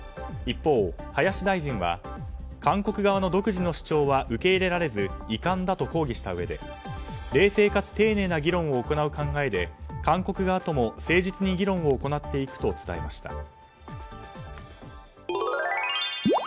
一方、林大臣は韓国側の独自の主張は受け入れられず遺憾だと抗議したうえで冷静かつ丁寧な議論を行う考えで韓国側とも誠実に議論を行っていくと伝えました。